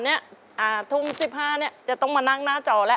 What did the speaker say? ทุ่ม๑๕เนี่ยจะต้องมานั่งหน้าจอแล้ว